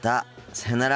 さようなら。